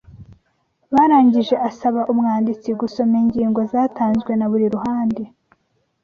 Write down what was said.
Barangije asaba umwanditsi gusoma ingingo zatanzwe na buri ruhande